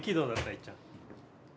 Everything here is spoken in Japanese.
いっちゃん。